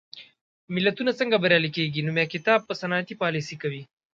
ملتونه څنګه بریالي کېږي؟ نومي کتاب په صنعتي پالېسۍ کوي.